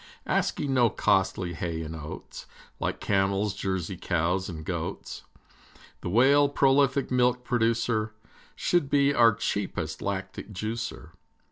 Asking no costly hay and oats, Like camels, Jersey cows, and goats, The Whale, prolific milk producer, Should be our cheapest lactic juicer.